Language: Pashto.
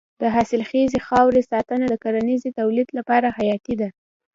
د حاصلخیزې خاورې ساتنه د کرنیزې تولید لپاره حیاتي ده.